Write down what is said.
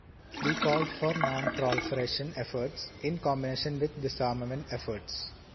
We call for non-proliferation efforts in combination with disarmament efforts.